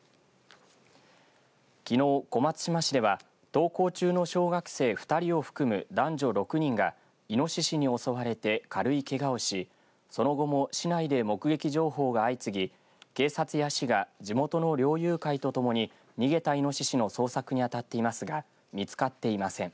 きのう、小松島市では登校中の小学生２人を含む男女６人が、いのししに襲われて軽いけがをし、その後も市内で目撃情報が相次ぎ、警察や市が地元の猟友会とともに逃げたいのししの捜索に当たっていますが見つかっていません。